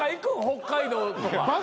北海道とか。